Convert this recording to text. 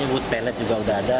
wood pallet juga sudah ada